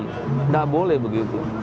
tidak boleh begitu